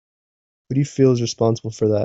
Who do you feel is responsible for that?